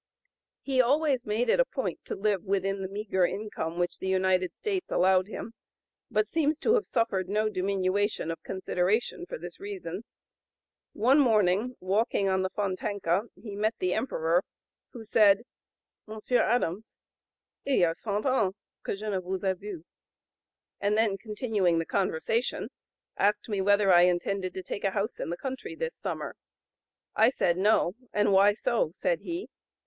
He always made it a point to live within the meagre income which the United States allowed him, but seems to have suffered no diminution of consideration for this reason. One morning, walking on the Fontanka, he met the Emperor, who said: "Mons. Adams, il y a cent ans que je ne vous ai vu;" and then continuing the conversation, "asked me whether I intended to take a house in the country this summer. I said, No.... 'And why so?' said he.